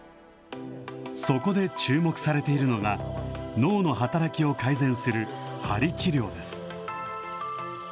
そこで注目されているのが、脳の働きを改善するはり治療です。